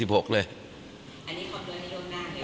อันนี้คำนวณในโลกหน้าเลย